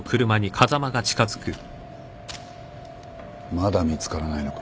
まだ見つからないのか。